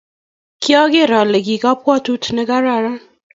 kiager ale ki kabwotut nekararan.